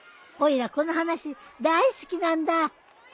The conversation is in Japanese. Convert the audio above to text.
おいらこの話大好きなんだ。